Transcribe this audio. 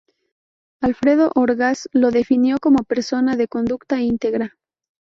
Alfredo Orgaz lo definió como persona de conducta íntegra.